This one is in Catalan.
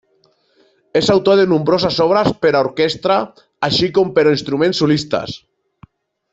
És autor de nombroses obres per a orquestra, així com per a instruments solistes.